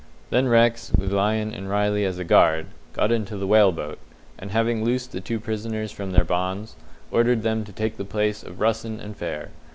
Then Rex, with Lyon and Riley as a guard, got into the whale boat, and having loosed the two prisoners from their bonds, ordered them to take the place of Russen and Fair.